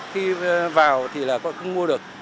khi vào thì là tôi không mua được